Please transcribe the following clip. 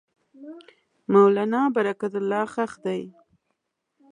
مولنا برکت الله ښخ دی.